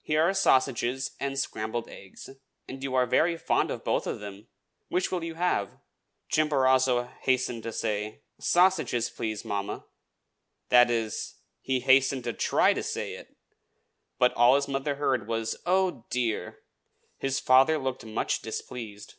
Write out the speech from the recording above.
"Here are sausages and scrambled eggs: and you are very fond of both of them. Which will you have?" Chimborazo hastened to say, "Sausages, please, mamma," that is, he hastened to try to say it; but all his mother heard was, "Oh, dear!" His father looked much displeased.